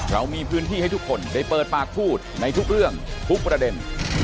เรามีพื้นที่ให้ทุกคนได้เปิดปากพูดในทุกเรื่องทุกประเด็น